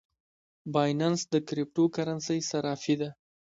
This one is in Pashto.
بایننس د کریپټو کرنسۍ صرافي ده